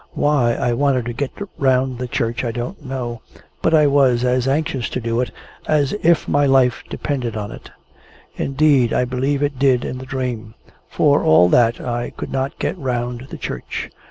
Why I wanted to get round the church I don't know; but I was as anxious to do it as if my life depended on it. Indeed, I believe it did in the dream. For all that, I could not get round the church.